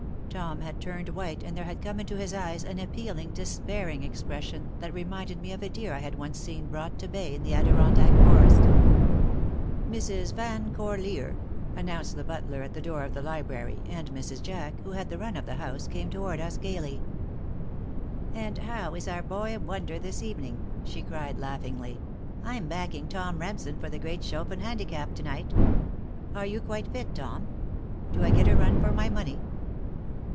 Tom had turned white and there had come into his eyes an appealing, despairing expression that reminded me of a deer I had once seen brought to bay in the Adirondack forest. "Mrs. Van Corlear," announced the butler at the door of the library, and Mrs. Jack, who had the run of the house, came toward us gaily. "And how is our boy wonder this evening?" she cried, laughingly. "I'm backing Tom Remsen for the great Chopin handicap to night. Are you quite fit, Tom? Do I get a run for my money?"